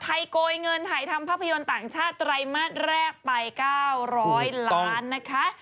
โกยเงินถ่ายทำภาพยนตร์ต่างชาติไตรมาสแรกไป๙๐๐ล้านนะคะ